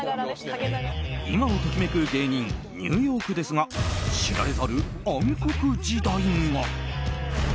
今を時めく芸人ニューヨークですが知られざる暗黒時代が。